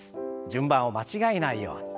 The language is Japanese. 順番を間違えないように。